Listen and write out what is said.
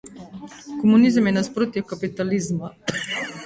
Komunizem je nasprotje kapitalizma.